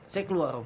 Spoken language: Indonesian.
saya keluar om